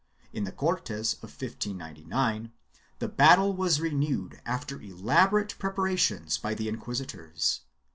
In the Cortes of 1599 the battle was renewed after elaborate prepara tions by the inquisitors.